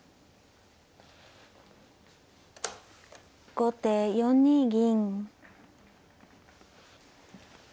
後手４二銀。